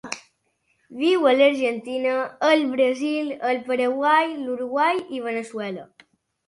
Viu a l'Argentina, el Brasil, el Paraguai, l'Uruguai i Veneçuela.